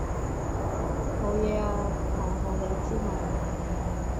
無野呀！望下你之嘛。